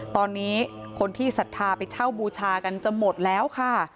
ตอนนี้คนที่ศรัทธาไปเช่าบูชากันจะหมดแล้วค่ะ